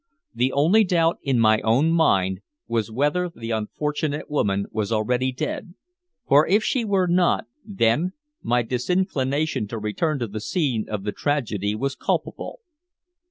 The only doubt in my own mind was whether the unfortunate woman was actually dead, for if she were not then my disinclination to return to the scene of the tragedy was culpable.